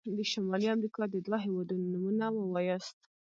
د شمالي امريکا د دوه هيوادونو نومونه ووایاست.